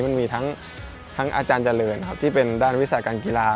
มันมีทั้งอาจารย์เจริญครับที่เป็นด้านวิสาการกีฬา